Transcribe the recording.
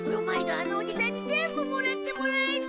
あのおじさんに全部もらってもらえて。